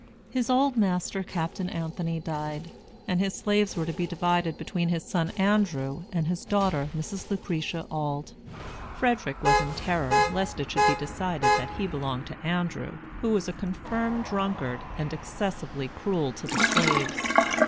His old master, Captain Anthony, died; and his slaves were to be divided between his son Andrew and his daughter Mrs. Lucretia Auld. Frederick was in terror lest it should be decided that he belonged to Andrew, who was a confirmed drunkard, and excessively cruel to the slaves.